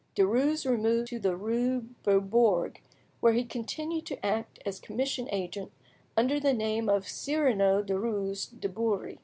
Derues removed to the rue Beaubourg, where he continued to act as commission agent under the name of Cyrano Derues de Bury.